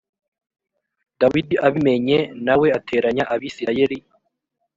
dawidi abimenye na we ateranya abisirayeli